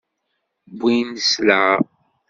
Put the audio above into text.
Wwin-d sselɛa.